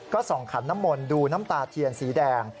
ก็ส่องขันน้ำมนต์ดูน้ำตาเทียนสีแดง